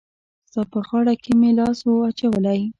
ستا په غاړه کي مي لاس وو اچولی